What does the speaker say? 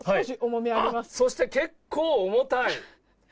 そして、結構重たい。